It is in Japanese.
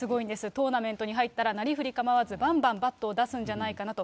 トーナメントに入ったらなりふり構わず、ばんばんバットを出すんじゃないかなと。